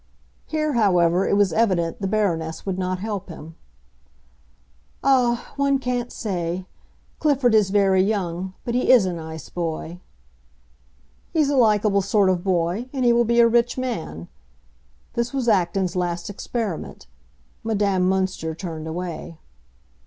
Here, however, it was evident the Baroness would not help him. "Ah, one can't say! Clifford is very young; but he is a nice boy." "He's a likeable sort of boy, and he will be a rich man." This was Acton's last experiment. Madame Münster turned away.